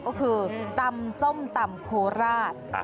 ก็คือตำส้มตำโคราช